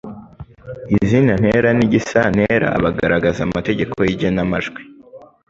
izinantera n'igisantera bagaragaza amategeko y'igenamajwi.